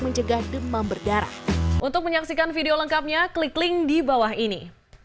mencegah demam berdarah untuk menyaksikan video lengkapnya klik link di bawah ini